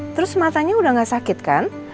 terus matanya udah gak sakit kan